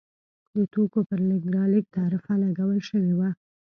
د توکو پر لېږد رالېږد تعرفه لګول شوې وه.